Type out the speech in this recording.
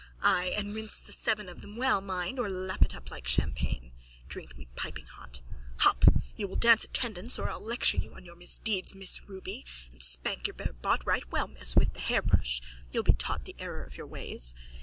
Ay, and rinse the seven of them well, mind, or lap it up like champagne. Drink me piping hot. Hop! You will dance attendance or I'll lecture you on your misdeeds, Miss Ruby, and spank your bare bot right well, miss, with the hairbrush. You'll be taught the error of your ways.